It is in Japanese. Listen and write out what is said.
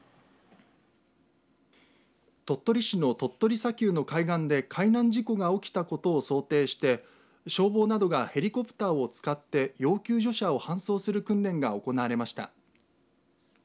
鳥取市の鳥取砂丘の海岸で海難事故が起きたことを想定して消防などがヘリコプターを使って要救助者を搬送する訓練が行われました。